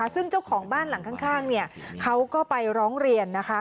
ซึ่งเจ้าของบ้านหลังข้างเขาก็ไปร้องเรียนนะคะ